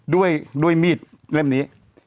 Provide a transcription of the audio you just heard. ด้วยมีดเล่มนี้